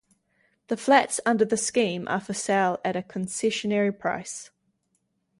The flats under the scheme are for sale at a concessionary price.